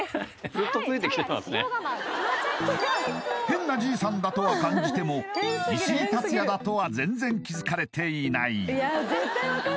変な爺さんだとは感じても石井竜也だとは全然気づかれていない